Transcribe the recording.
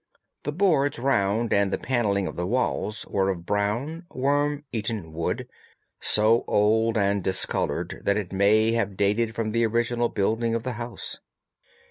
The boards round and the panelling of the walls were of brown, worm eaten oak, so old and discoloured that it may have dated from the original building of the house.